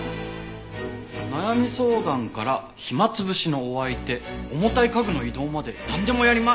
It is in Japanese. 「悩み相談から暇つぶしのお相手重たい家具の移動まで何でもやります！」